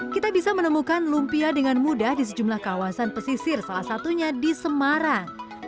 kita bisa menemukan lumpia dengan mudah di sejumlah kawasan pesisir salah satunya di semarang